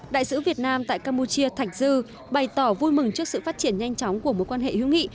đại sứ việt nam tại campuchia thạch dư bày tỏ vui mừng trước sự phát triển nhanh chóng của mối quan hệ hữu nghị